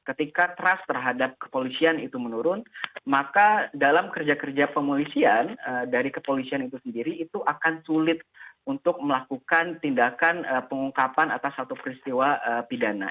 ketika trust terhadap kepolisian itu menurun maka dalam kerja kerja pemolisian dari kepolisian itu sendiri itu akan sulit untuk melakukan tindakan pengungkapan atas satu peristiwa pidana